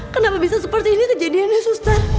kenapa bisa seperti ini kejadiannya suster